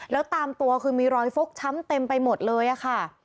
แล้วตามตัวคือมีรอยฟกช้ำเต็มไปหมดเลยค่ะ